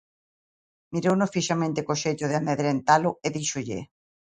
Mirouno fixamente co xeito de amedrentalo e díxolle: